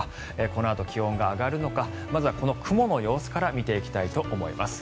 このあと気温が上がるのかまず雲の様子から見ていきたいと思います。